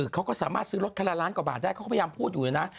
เขาก็สามารถซื้อรถคันละล้านกว่าบาทได้เขาก็พยายามพูดอยู่เลยนะ